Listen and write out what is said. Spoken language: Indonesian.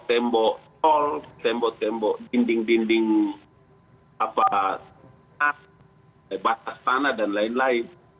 tembok tol tembok tembok dinding dinding batas tanah dan lain lain